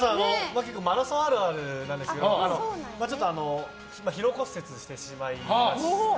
マラソンあるあるなんですけども疲労骨折してしまいまして。